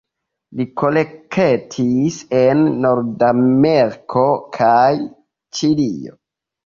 Li kolektis en Nordameriko kaj Ĉilio.